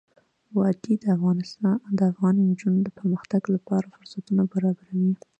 وادي د افغان نجونو د پرمختګ لپاره فرصتونه برابروي.